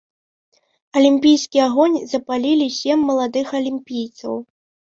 Алімпійскі агонь запалілі сем маладых алімпійцаў.